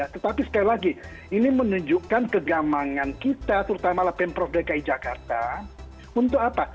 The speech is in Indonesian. tetapi sekali lagi ini menunjukkan kegamangan kita terutama pemprov dki jakarta untuk apa